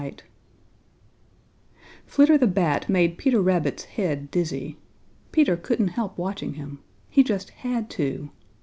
"] Flitter the Bat made Peter Rabbit's head dizzy. Peter couldn't help watching him. He just had to.